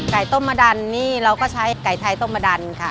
ต้มมะดันนี่เราก็ใช้ไก่ไทยต้มมะดันค่ะ